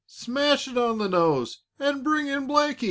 Smash it on the nose and bring in Blakie!"